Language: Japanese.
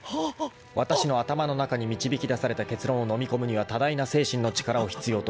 ［わたしの頭の中に導き出された結論をのみ込むには多大な精神の力を必要とした］